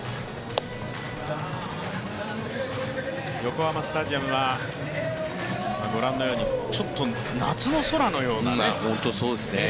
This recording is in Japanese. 横浜スタジアムはちょっと夏の空のようなね。